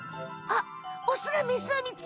あっ！